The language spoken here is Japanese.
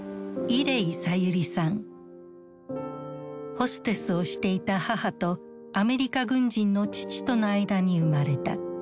ホステスをしていた母とアメリカ軍人の父との間に生まれた。